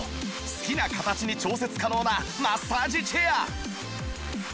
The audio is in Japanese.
好きな形に調節可能なマッサージチェア